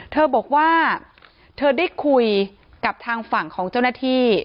เธอบอกว่าเธอได้คุยกับทางฝั่งของเจ้าหน้าที่